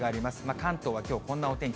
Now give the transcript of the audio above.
関東はきょう、こんなお天気。